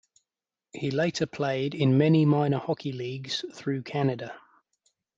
He later played in many minor hockey leagues through Canada.